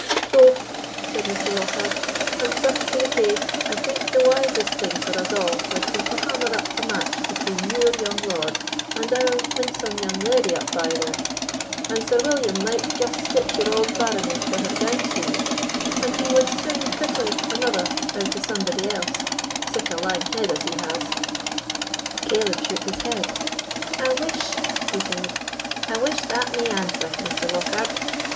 "Troth," said Mr. Lockhard, "an such be the case, I think the wisest thing for us a' wad be to hammer up a match between your young lord and our winsome young leddy up bye there; and Sir William might just stitch your auld barony to her gown sleeve, and he wad sune cuitle another out o' somebody else, sic a lang head as he has." Caleb shook his head. "I wish," he said—"I wish that may answer, Mr. Lockhard.